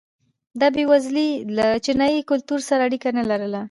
دا بېوزلي له چینايي کلتور سره اړیکه نه لرله.